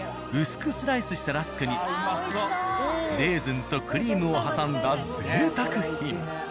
薄くスライスしたラスクにレーズンとクリームを挟んだ贅沢品。